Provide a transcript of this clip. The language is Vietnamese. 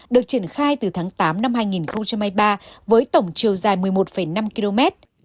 được triển khai từ tháng tám năm hai nghìn hai mươi ba với tổng chiều dài một mươi một năm km